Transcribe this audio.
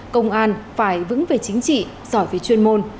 công an phải vững về chính trị giỏi về chuyên môn